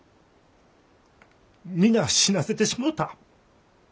皆死なせてしもうた。